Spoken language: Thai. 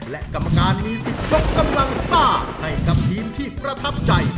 และกรรมการมีสิทธิ์ยกกำลังซ่าให้กับทีมที่ประทับใจ